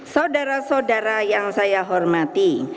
saudara saudara yang saya hormati